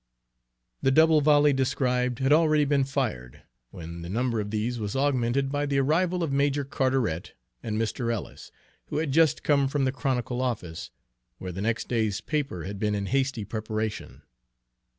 The double volley described had already been fired, when the number of these was augmented by the arrival of Major Carteret and Mr. Ellis, who had just come from the Chronicle office, where the next day's paper had been in hasty preparation.